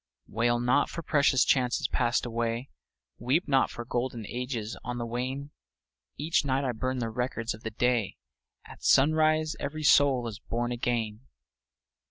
[ 27 ] Selected Poems Wail not for precious chances passed away, Weep not for golden ages on the wane ! Each night I burn the records of the day, — At sunrise every soul is born again